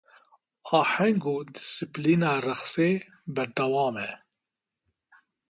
Aheng û disîplîna reqsê berdewam e.